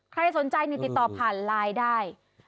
ใครสนใจนี่ติดต่อผ่านไลน์ได้